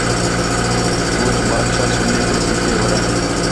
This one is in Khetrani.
ہوج بادشاہ سُنّے تے سِکّے وڑین